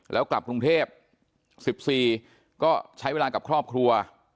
แล้วกลับกรุงเทพ๑๔ก็ใช้เวลากับครอบครัว